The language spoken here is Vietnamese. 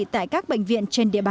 tại các bệnh viện